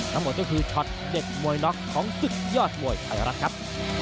ทั้งหมดก็คือช็อตเด็ดมวยล็อกของศึกยอดมวยไทยรัฐครับ